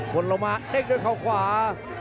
บนละมะเด้งด้วยข้าวขวา